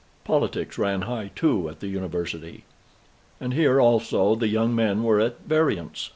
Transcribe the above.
Politics ran high, too, at the University; and here, also, the young men were at variance.